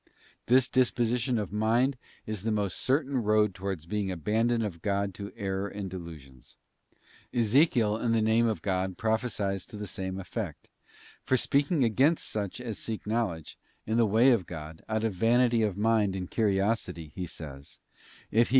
This disposition of mind is the most certain road towards being abandoned of God to error and delusions. Ezechiel in the name of God prophesies to the same effect ; for speaking against such as seek knowledge, in the way of God, out of vanity of mind and curiosity, he says: 'If he...